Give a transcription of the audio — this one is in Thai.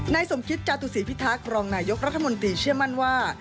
สมคิตจาตุศีพิทักษ์รองนายกรัฐมนตรีเชื่อมั่นว่า